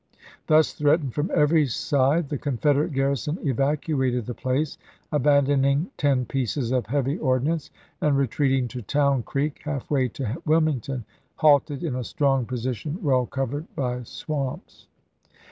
Thus threatened from every side the Confederate garrison evacuated the place, Feb.i9,i86&. abandoning ten pieces of heavy ordnance and re treating to Town Creek, half way to Wilmington, halted in a strong position well covered by swamps.